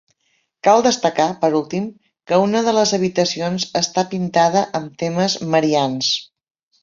Cal destacar, per últim, que una de les habitacions està pintada amb temes marians.